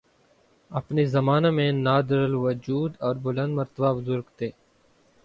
۔ اپنے زمانہ میں نادرالوجود اور بلند مرتبہ بزرگ تھے